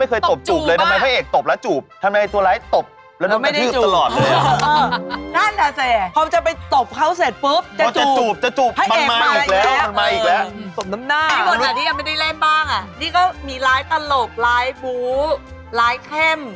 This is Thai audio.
นี่ก็มีร้ายตลกร้ายบู๊ต่อร้ายเข้มแล้วมีอะไรอีก